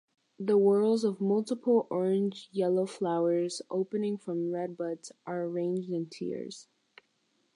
The whorls of multiple orange-yellow flowers, opening from red buds, are arranged in tiers.